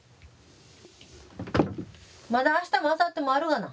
まだ明日もあさってもあるがな。